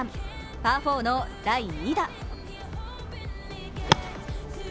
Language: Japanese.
パー４の第２打。